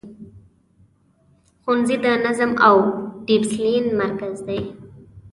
ښوونځی د نظم او دسپلین مرکز دی.